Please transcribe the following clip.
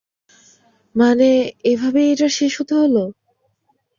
মানে, এভাবেই এটার শেষ হতে হলো?